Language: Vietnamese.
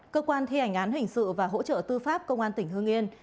cơ quan thi hành án hình sự và hỗ trợ tư pháp công an tỉnh hương yên